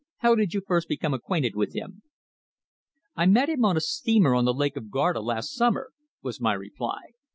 How did you first become acquainted with him?" "I met him on a steamer on the Lake of Garda this last summer," was my reply.